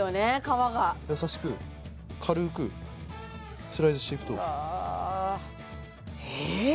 皮が優しく軽くスライドしていくとうわあええ？